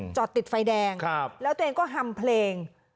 จอดติดไฟแดงแล้วตัวเองก็ฮัมเพลง